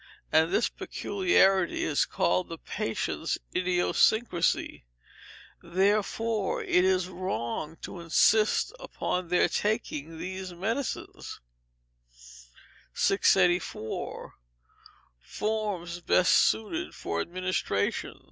and this peculiarity is called the patient's idiosyncrasy, therefore it is wrong to insist upon their taking these medicines. 684. Forms best suited for Administration.